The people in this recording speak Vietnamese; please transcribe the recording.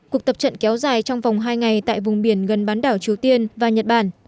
cuộc tập trận kéo dài trong vòng hai ngày tại vùng biển gần bán đảo triều tiên và nhật bản